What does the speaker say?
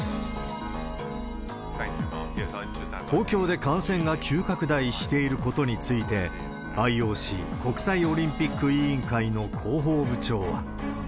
東京で感染が急拡大していることについて、ＩＯＣ・国際オリンピック委員会の広報部長は。